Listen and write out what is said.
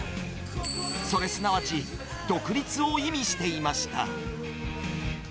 それすなわち、独立を意味していました。